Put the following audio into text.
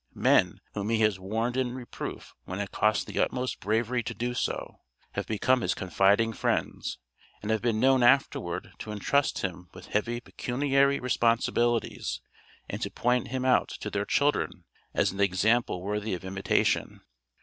Men, whom he has warned in reproof when it cost the utmost bravery to do so, have become his confiding friends, and have been known afterward to entrust him with heavy pecuniary responsibilities, and to point him out to their children as an example worthy of imitation.